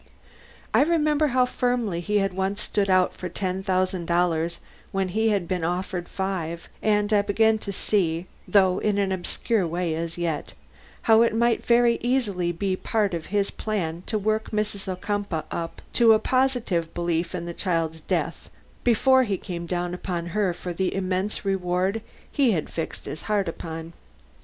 I remember how firmly he had once stood out for ten thousand dollars when he had been offered five; and I began to see, though in an obscure way as yet, how it might very easily be a part of his plan to work Mrs. Ocumpaugh up to a positive belief in the child's death before he came down upon her for the immense reward he had fixed his heart upon.